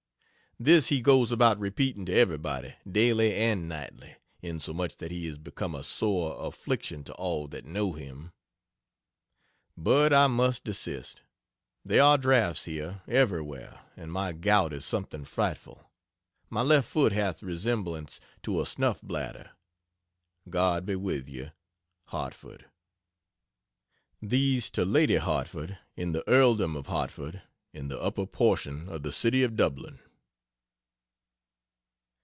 This he goes about repeating to everybody, daily and nightly, insomuch that he is become a sore affliction to all that know him. But I must desist. There are drafts here, everywhere and my gout is something frightful. My left foot hath resemblance to a snuff bladder. God be with you. HARTFORD. These to Lady Hartford, in the earldom of Hartford, in the upper portion of the city of Dublin.